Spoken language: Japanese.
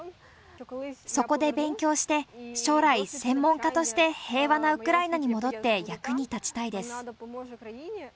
そこで勉強して、将来専門家として、平和なウクライナに戻って役に立ちたいです。